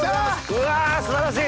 うわ素晴らしい！